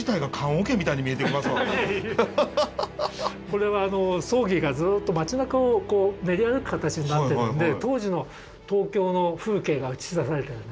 これは葬儀がずっと街なかを練り歩く形になってるんで当時の東京の風景が映し出されてるんですね。